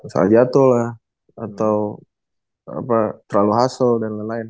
salah jatuh lah atau terlalu hasil dan lain lain